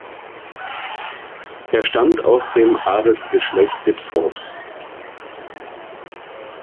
Er stammt aus dem Adelsgeschlecht Ditfurth.